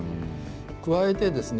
加えてですね